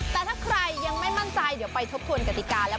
แต่ถ้าใครยังไม่มั่นใจเดี๋ยวไปทบทวนกติกาแล้ว